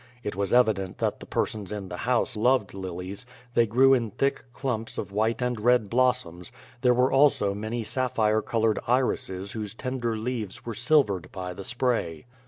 It was evident that the persons in the house loved lilies; they grew in thick clumps of white and red blossoms; there were also many sapphire colored irises whose tender leaves were silvered by the spray.